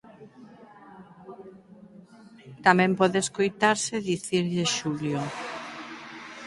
Tamén pode escoitarse dicirlle xulio.